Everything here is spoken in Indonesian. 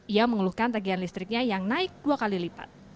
ia mengeluhkan tagihan listriknya yang naik dua kali lipat